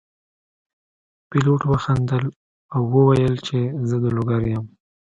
پیلوټ وخندل او وویل چې زه د لوګر یم.